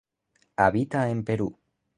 Habita en Perú.